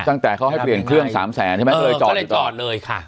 ตั้งแต่เขาให้เปลี่ยนเครื่องสามแสนใช่ไหมก็เลยจอดเลยค่ะ